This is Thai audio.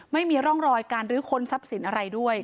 ไม่มีร่องรอยการรื้อค้นทรัพย์สินอะไรด้วย